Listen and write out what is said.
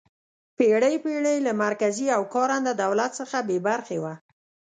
پېړۍ پېړۍ له مرکزي او کارنده دولت څخه بې برخې وه.